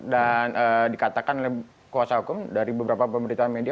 dan dikatakan oleh kuasa hukum dari beberapa pemerintah media